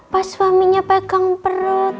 pas suaminya pegang perut